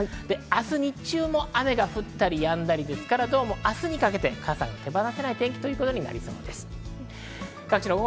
明日・日中も雨が降ったりやんだり、明日にかけて傘が手放せない天気となりそうです。